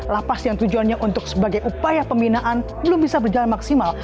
lapas yang tujuannya untuk sebagai upaya pembinaan belum bisa berjalan maksimal